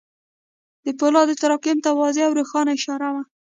د پولادو تراکم ته واضح او روښانه اشاره وه.